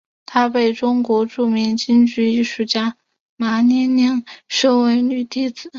她被中国著名京剧艺术家马连良收为女弟子。